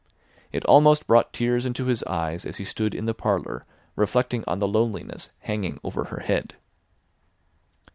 It almost brought tears into his eyes as he stood in the parlour reflecting on the loneliness hanging over her head.